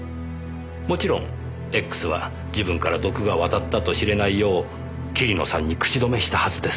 もちろんＸは自分から毒が渡ったと知れないよう桐野さんに口止めしたはずです。